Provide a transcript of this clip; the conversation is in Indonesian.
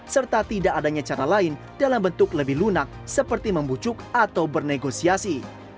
serta tidak adanya cara lain dalam bentuk lebih lunak seperti membucuk atau bernegosiasi